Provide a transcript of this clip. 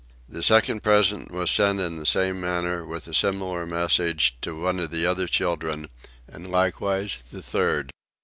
The second present was sent in the same manner, with a similar message, to one of the other children and likewise the third.